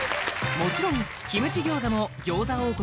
もちろんキムチ餃子も餃子王国